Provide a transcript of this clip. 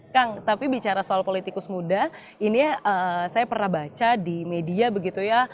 kang tapi bicara soal politikus muda ini saya pernah baca di media begitu ya